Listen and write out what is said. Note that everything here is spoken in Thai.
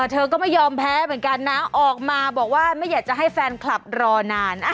เธอก็ไม่ยอมแพ้เหมือนกันนะออกมาบอกว่าไม่อยากจะให้แฟนคลับรอนาน